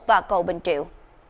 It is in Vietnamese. và cầu bình triệu